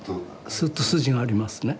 すっと筋がありますね。